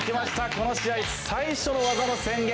この試合最初のワザの宣言。